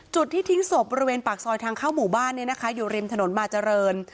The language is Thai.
ที่ทิ้งศพบริเวณปากซอยทางเข้าหมู่บ้านอยู่ริมถนนมาเจริญ